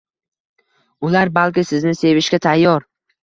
Ular balki sizni sevishga tayyor.